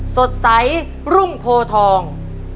สดใสรุ่งโพทอง